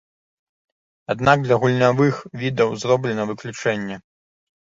Аднак для гульнявых відаў зроблена выключэнне.